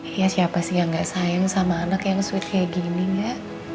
iya siapa sih yang gak sayang sama anak yang sweet kayak gini gak